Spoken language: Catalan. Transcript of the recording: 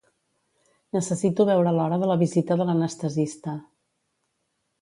Necessito veure l'hora de la visita de l'anestesista.